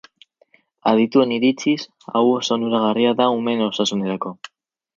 Adituen iritziz, hau oso onuragarria da umeen osasunerako.